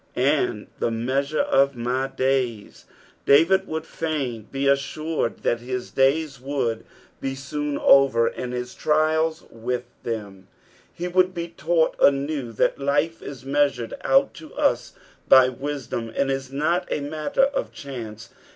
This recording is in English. " And the meatvra of my daj/t." David would fain be assured that his days would be soon over and lus trials with them ; he would be taneht anew that life is measured out to us by wisdom, and is not a matter o? chance.